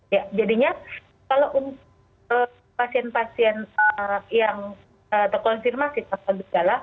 ya jadinya kalau untuk pasien pasien yang terkonfirmasi tanpa gejala